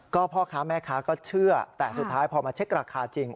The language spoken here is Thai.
ก็พ่อค้าแม่ค้าก็เชื่อแต่สุดท้ายพอมาเช็คราคาจริง